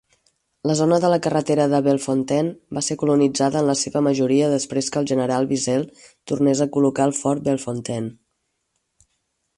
La zona de la carretera de Bellefontaine va ser colonitzada en la seva majoria després que el general Bissell tornés a col·locar el fort Bellefontaine.